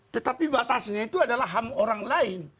tetapi batasnya itu adalah ham orang lain